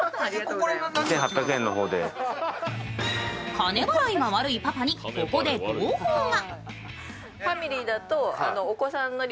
金払いが悪いパパに、ここで朗報が。